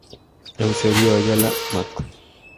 Eusebio Ayala, Mcal.